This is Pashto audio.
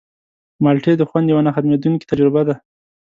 مالټې د خوند یوه نه ختمېدونکې تجربه ده.